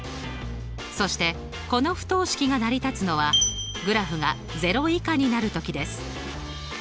そしてこの不等式が成り立つのはグラフが０以下になるときです。